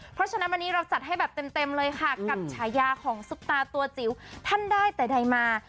เพราะฉะนั้นวันนี้เราจัดให้แบบเต็มเลยค่ะกับฉายาของซุปตาตัวจิ๋วท่านได้แต่ใดมา